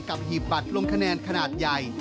หีบบัตรลงคะแนนขนาดใหญ่